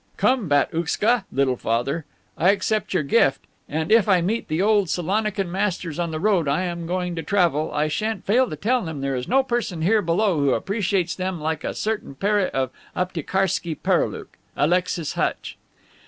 "Come, bat ouclzka (little father), I accept your gift, and, if I meet the old Salonican masters on the road I am going to travel, I shan't fail to tell them there is no person here below who appreciates them like a certain pere of Aptiekarski Pereoulok, Alexis Hutch."